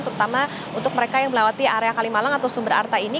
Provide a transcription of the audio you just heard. terutama untuk mereka yang melewati area kalimalang atau sumber arta ini